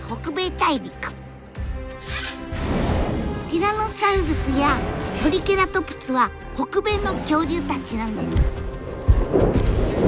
ティラノサウルスやトリケラトプスは北米の恐竜たちなんです。